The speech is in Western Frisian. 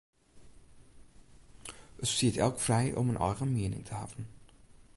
It stiet elk frij om in eigen miening te hawwen.